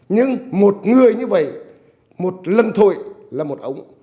nhưng một người như vậy một lần thôi là một ống